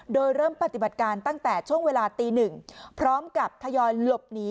โดยเริ่มปฏิบัติการตั้งแต่ช่วงเวลาตีหนึ่งพร้อมกับทยอยหลบหนี